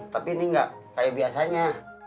tapi ini nggak kayak biasanya